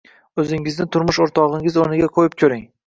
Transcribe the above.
O‘zingizni turmush o‘rtog‘ingiz o‘rniga qo‘yib ko‘ring.